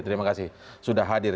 terima kasih sudah hadir